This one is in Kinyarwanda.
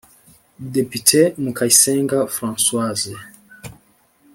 Depite Mukayisenga Françoise